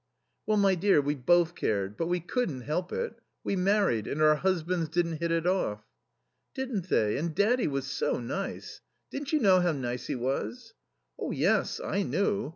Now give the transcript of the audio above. "Well, my dear, we both cared, but we couldn't help it. We married, and our husbands didn't hit it off." "Didn't they? And daddy was so nice. Didn't you know how nice he was?" "Oh, yes. I knew.